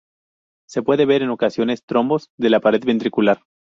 Se puede ver en ocasiones, trombos de la pared ventricular.